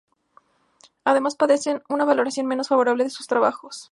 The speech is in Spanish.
Además padecen una valoración menos favorable de sus trabajos.